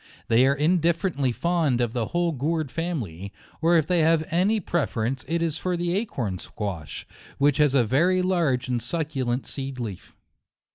They are indifferently fond of the whole gourd family ; or if they have any pre ference, it is for the acorn squash, which has a very large and succulent seed leaf.